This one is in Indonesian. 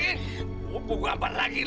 bener gua gambar lagi nih